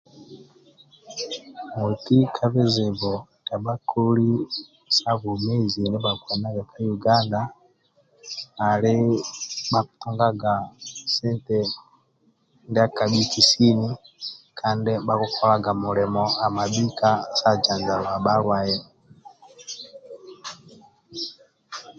Moti ka bizibu ka bhakoli sa bwomezi bhakienaga ka uganda ali bhakitunga sente ndia kabhiki sini kandi bhakitunganga kandi bhakikolaga mulimo mabhika ka janjaba bhalwaye